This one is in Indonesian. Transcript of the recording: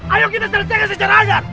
ayo kita ceritain secara agak